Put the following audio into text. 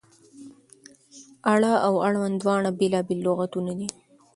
اړه او اړوند دوه بېلابېل لغتونه دي.